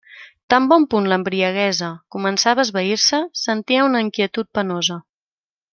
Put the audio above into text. Tan bon punt l'embriaguesa començava a esvair-se, sentia una inquietud penosa.